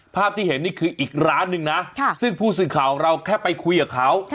ภาพที่เห็นนี่คืออีกร้านหนึ่งนะซึ่งผู้สื่อข่าวเราแค่ไปคุยกับเขา